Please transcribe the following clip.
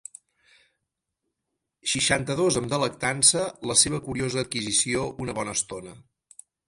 Seixanta-dos amb delectança la seva curiosa adquisició una bona estona.